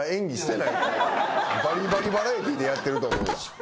バリバリバラエティーでやってると思う。